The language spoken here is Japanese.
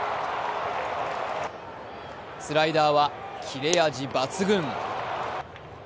スライダーは切れ味抜群。